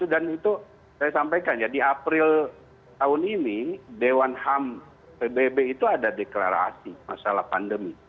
dan itu saya sampaikan jadi april tahun ini dewan ham pbb itu ada deklarasi masalah pandemi